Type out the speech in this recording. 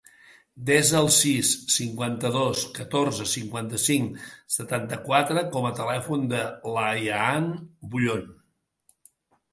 Desa el sis, cinquanta-dos, catorze, cinquanta-cinc, setanta-quatre com a telèfon de l'Ayaan Bullon.